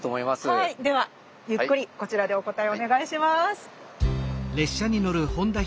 はいではゆっくりこちらでお答えをお願いします。